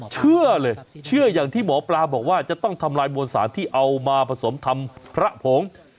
เชื่อเลยเชื่ออย่างที่หมอปลาบอกว่าจะต้องทำลายมวลสารที่เอามาผสมทำพระผง